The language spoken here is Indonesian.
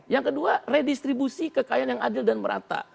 yang kedua redistribusi kekayaan yang adil dan merata